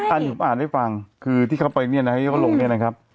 อันอ่านให้ฟังคือที่เขาไปเนี่ยนะ